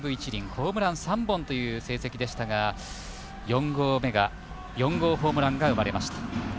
ホームラン３本という成績でしたが４号ホームランが生まれました。